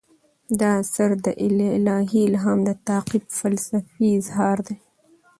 دا اثر د الهي الهام د تعقیب فلسفي اظهار دی.